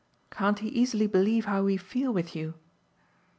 Can't he easily believe how we feel with you?"